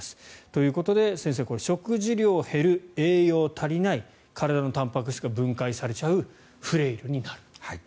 ということで先生食事量減る、栄養足りない体のたんぱく質が分解されちゃうフレイルになる。